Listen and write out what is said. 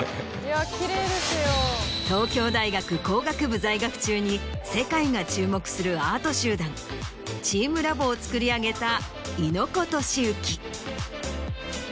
東京大学工学部在学中に世界が注目するアート集団チームラボを作り上げた。